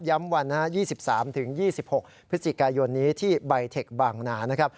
ย้ำวัน๒๓ถึง๒๖พฤศจิกายนที่ใบเทคบางนา